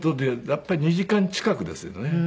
やっぱり２時間近くですよね。